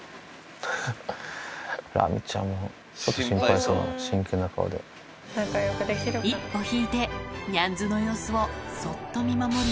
ラミちゃんもちょっと心配そ一歩引いて、ニャンズの様子をそっと見守る